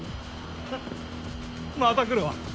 ふっまた来るわ。